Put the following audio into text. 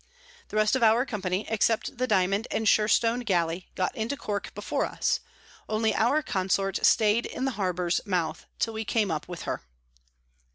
The rest of our Company, except the Diamond and Sherstone Galley, got into Cork before us; only our Consort staid in the Harbour's Mouth till we came up with her.